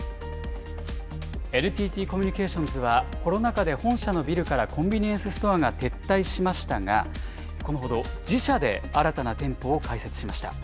ＮＴＴコミュニケーションズはコロナ禍で本社のビルからコンビニエンスストアが撤退しましたが、このほど自社で新たな店舗を開設しました。